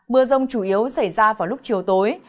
mưa rông chủ yếu xảy ra vào lúc chiều tối